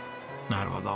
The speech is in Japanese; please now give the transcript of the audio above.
なるほど。